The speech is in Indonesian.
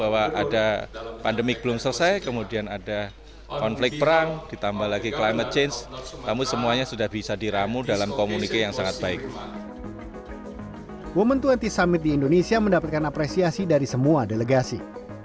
momen dua puluh summit di indonesia mendapatkan apresiasi dari semua delegasi